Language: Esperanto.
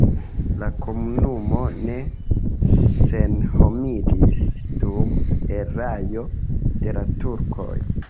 La komunumo ne senhomiĝis dum erao de la turkoj.